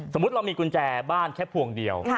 สมมุติเรามีกุญแจบ้านแค่พวงเดียว